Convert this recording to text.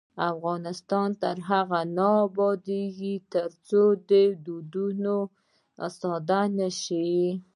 افغانستان تر هغو نه ابادیږي، ترڅو ودونه ساده نشي.